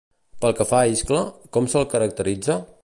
Pel que fa a Iscle, com se'l caracteritza?